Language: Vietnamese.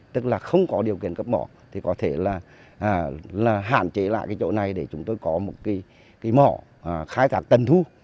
tức là không có điều kiện cấp mỏ thì có thể là hạn chế lại cái chỗ này để chúng tôi có một cái mỏ khai thác tần thu